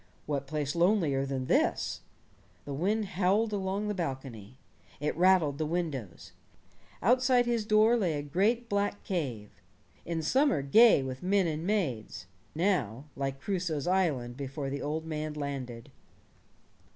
What place lonelier than this? The wind howled along the balcony. It rattled the windows. Outside his door lay a great black cave in summer gay with men and maids now like Crusoe's island before the old man landed.